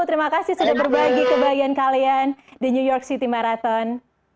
terima kasih sudah berbagi kebahagiaan kalian di new york city marathon